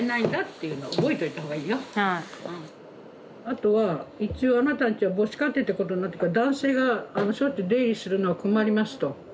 あとは一応あなたのうちは母子家庭ってことになってるから男性があのしょっちゅう出入りするのは困りますと。